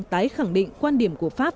tái khẳng định quan điểm của pháp